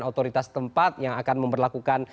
otoritas tempat yang akan memperlakukan